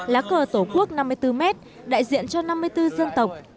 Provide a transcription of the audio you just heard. lá cờ tổ quốc năm mươi bốn mét đại diện cho năm mươi bốn dân tộc